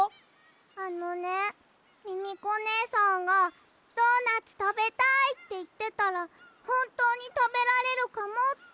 あのねミミコねえさんが「ドーナツたべたい！」っていってたらほんとうにたべられるかもって。